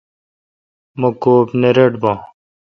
مہ کوب نہ رٹ باں۔